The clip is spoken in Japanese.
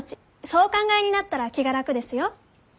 そうお考えになったら気が楽ですよ。